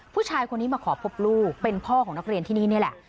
ผู้ชายคนนี้มาขอพบลูกเป็นพ่อของนักเรียนที่นี่นี่แหละ